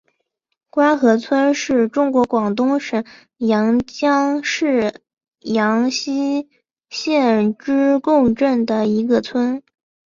官河村是中国广东省阳江市阳西县织贡镇的一个村。